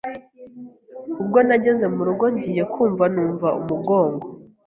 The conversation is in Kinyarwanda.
ubwo nageze mu rugo ngiye kumva numva umugongo